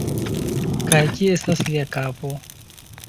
Kaj kie estas lia kapo?!